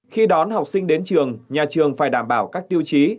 khi đón học sinh đến trường nhà trường phải đảm bảo các tiêu chí